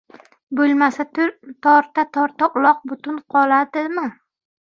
Bo‘lmasa, torta-torta uloq butun qoladi- mi?